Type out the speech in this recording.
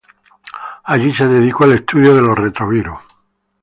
Allí, se dedicó al estudio de los retrovirus.